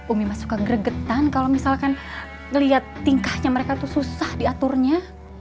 umi suka gregetan kalau misalkan ngeliat tingkahnya mereka tuh susah diaturnya